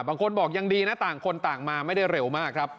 บางคนบอกยังดีนะต่างคนต่างมาไม่ได้เร็วมากครับ